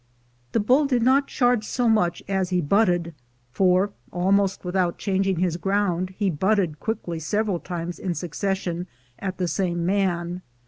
The bull did not charge so much as he butted, for, almost without changing his ground, he butted quickly several times in succession at the same man.